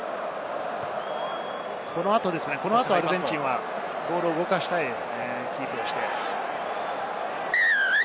この後アルゼンチンはボールを動かしたいですね。